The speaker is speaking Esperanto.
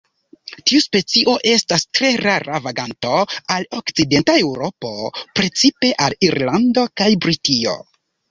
Tiu specio estas tre rara vaganto al okcidenta Eŭropo, precipe al Irlando kaj Britio.